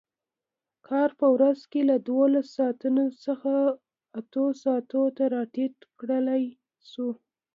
کار په ورځ کې له دولس ساعتو څخه اتو ساعتو ته راټیټ کړای شو.